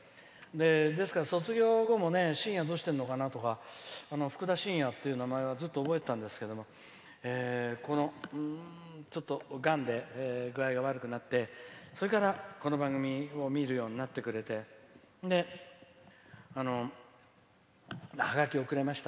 ですから、卒業後もしんや、どうしてるのかなとかふくだしんやっていう名前はずっと覚えてたんですけどこの、ちょっと、がんで具合が悪くなってそれから、この番組を見るようになってくれてハガキをくれました。